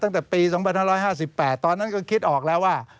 ตั้งแต่ปี๒๕๕๘ตอนนั้นก็คิดออกแล้วว่า